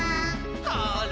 「ほら」